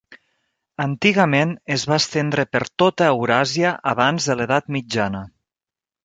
Antigament, es va estendre per tota Euràsia, abans de l'edat mitjana.